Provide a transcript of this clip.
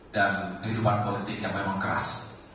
dan kehidupan politik yang memang keras